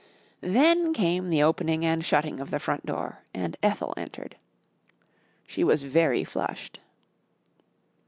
Then came the opening and shutting of the front door and Ethel entered. She was very flushed.